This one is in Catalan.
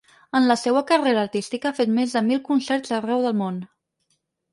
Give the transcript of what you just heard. En la seua carrera artística ha fet més de mil concerts arreu del món.